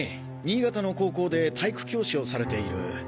新潟の高校で体育教師をされている。